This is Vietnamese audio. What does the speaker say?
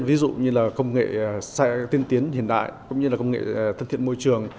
ví dụ như là công nghệ tiên tiến hiện đại cũng như là công nghệ thân thiện môi trường